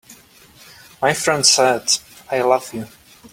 My friend said: "I love you.